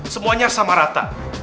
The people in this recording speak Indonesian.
semuanya sama rata